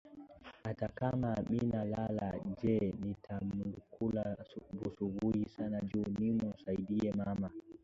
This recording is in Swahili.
Ata kama mina lala jee mitalamuka busubuyi sana nju nimu saidiye mama